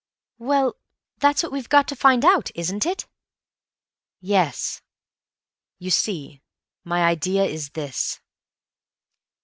"Well, that's what we've got to find out, isn't it?" "Yes. You see, my idea is this."